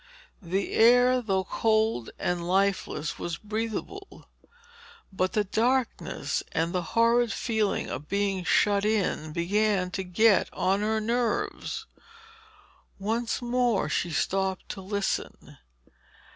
The air, though cold and lifeless, was breathable; but the darkness and the horrid feeling of being shut in began to get on her nerves. Once more she stopped to listen.